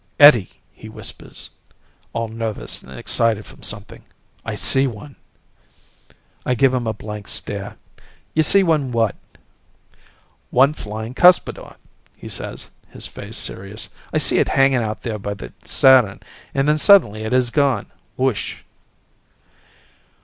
"Eddie," he whispers, all nervous and excited from something, "I see one." I give him a blank stare. "You see one what?" "One flying cuspidor," he says, his face serious. "I see it hanging out there by the Saturn and then suddenly it is gone. Whoosh."